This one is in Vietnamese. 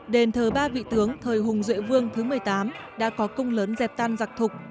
đền thờ ba vị tướng thời hùng duệ vương thứ một mươi tám đã có công lớn dẹt tan giặc thục